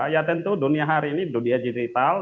ya tentu dunia hari ini dunia digital